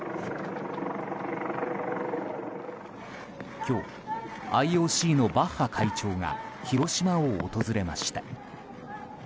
今日、ＩＯＣのバッハ会長が広島を訪れました。